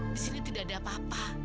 disini tidak ada apa apa